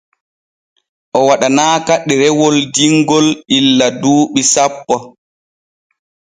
O waɗanaaka ɗerewol dimgil illa duuɓi sappo.